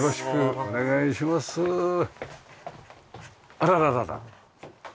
あらららら。